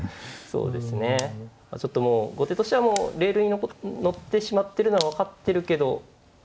そうですねちょっともう後手としてはもうレールに乗ってしまっているのは分かっているけど。